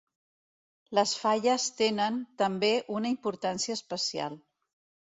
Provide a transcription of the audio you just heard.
Les falles tenen, també, una importància especial.